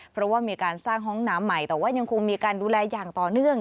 เพราะว่ามีการสร้างห้องน้ำใหม่แต่ว่ายังคงมีการดูแลอย่างต่อเนื่อง